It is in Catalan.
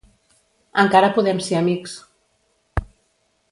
Encara podem ser amics.